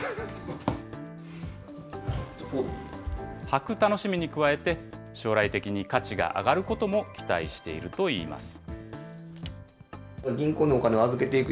履く楽しみに加えて、将来的に価値が上がることも期待しているといいます。